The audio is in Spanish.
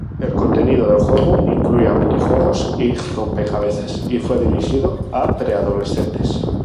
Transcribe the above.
El contenido del juego incluía mini juegos y rompecabezas y fue dirigido a pre-adolescentes.